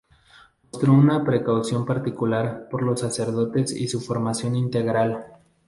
Mostró una preocupación particular por los sacerdotes y su formación integral.